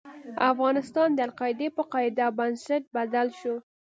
افغانستان د القاعدې په قاعده او بنسټ بدل شو.